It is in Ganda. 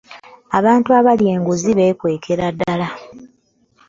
abantu abalya enguzi beekwekera ddala.